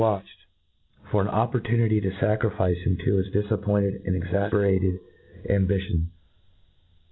watched for an opporttinity to facrifice him to his? difapppbited and exafperated ambition.